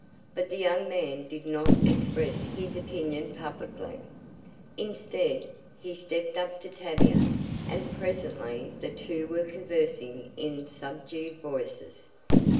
But the young man did not express his opinion publicly. Instead, he stepped up to Tavia, and presently the two were conversing in subdued voices.